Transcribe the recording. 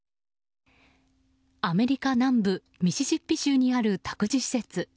アメリカ南部ミシシッピ州にある託児施設。